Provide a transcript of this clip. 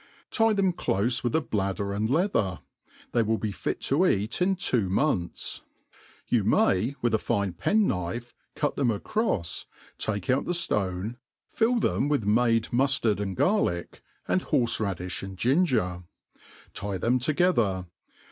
Tie them clofe ^with a bladder and leather ; they will be fit to eat in two jnonths. You may with a'fine pen*khife cut them acrofs, take '■■^ out 4>2 THE ART OF COOKER V out the ftone, fill them with made muftard and garlicky and . horfe radi(h and gingec ; tie them together.